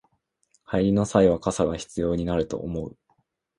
帰りの際は傘が必要になると思う